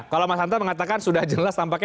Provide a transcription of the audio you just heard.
kalau mas hanta mengatakan sudah jelas tampaknya